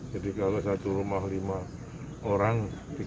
jadi kalau satu rumah lima orang tiga puluh dua ratus